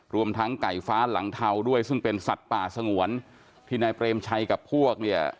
รวมทั้งไก่ฟ้าหลังเทาด้วยซึ่งเป็นสัตว์ป่าสงวนที่นายเปรมชัยกับพวกเนี่ย